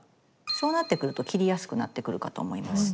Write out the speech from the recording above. そうなってくると切りやすくなってくるかと思います。